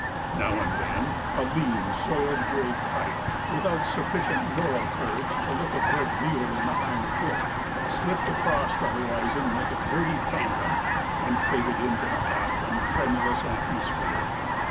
Now and then a lean, soiled gray coyote, without sufficient moral courage to look a dead mule in the hind foot, slipped across the horizon like a dirty phantom and faded into the hot and tremulous atmosphere.